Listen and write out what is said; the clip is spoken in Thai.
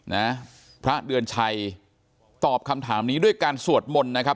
นะพระเดือนชัยตอบคำถามนี้ด้วยการสวดมนต์นะครับ